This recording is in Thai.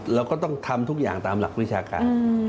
เราก็ต้องทำทุกอย่างตามหลักวิชาการ